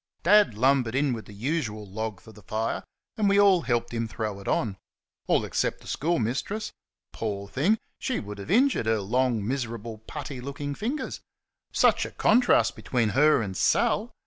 Dad lumbered in the usual log for the fire, and we all helped him throw it on all except the schoolmistress. Poor thing! She would have injured her long, miserable, putty looking fingers! Such a contrast between her and Sal!